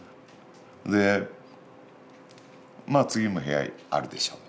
でまあ「次も部屋あるでしょう」と。